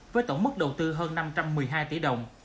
với tổng mức đầu tư hơn năm trăm một mươi hai tỷ đồng